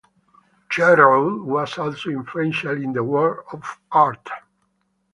Chevreul was also influential in the world of art.